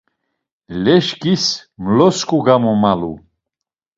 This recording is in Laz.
Leşǩis mlosǩu gamamalu.